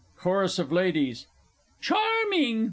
CHORUS OF LADIES. Charming!